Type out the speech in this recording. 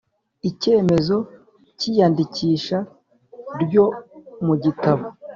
Icyemezo cy iyandikisha ryo mu gitabo